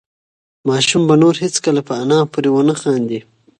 ماشوم به نور هېڅکله په انا پورې ونه خاندي.